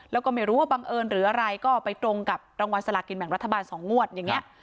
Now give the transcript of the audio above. แล้วก็ไม่รู้ว่าบังเอิญหรืออะไรก็ไปตรงกับรางวัลสลากินแบ่งรัฐบาล๒งวดอย่างนี้